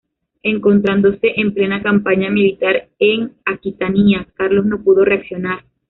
Encontrándose en plena campaña militar en Aquitania, Carlos no pudo reaccionar.